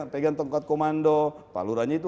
pegang tongkat komando pak lurahnya itu